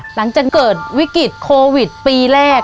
หลังจากเกิดวิกฤตโควิดปีแรก